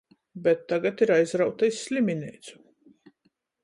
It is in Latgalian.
Bet tagad ir aizrauta iz slimineicu.